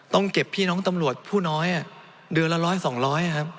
ต้องเก็บพี่น้องตำรวจผู้น้อยอ่ะเดือนละร้อยสองร้อยอ่ะครับ